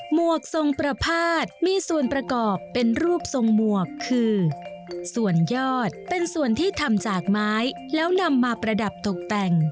วกทรงประพาทมีส่วนประกอบเป็นรูปทรงหมวกคือส่วนยอดเป็นส่วนที่ทำจากไม้แล้วนำมาประดับตกแต่ง